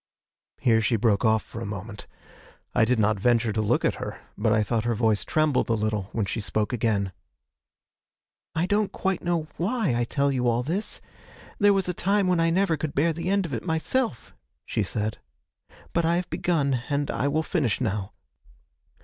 Here she broke off for a moment. I did not venture to look at her, but I thought her voice trembled a little when she spoke again. 'I don't quite know why I tell you all this. There was a time when I never could bear the end of it myself,' she said; 'but I have begun, and I will finish now.